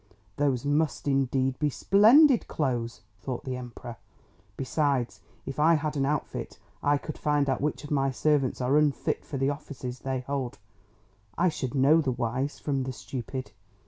"Those must indeed be splendid clothes," thought the Emperor. "Besides, if I had an outfit, I could find out which of my servants are unfit for the offices they hold; I should know the wise from the stupid!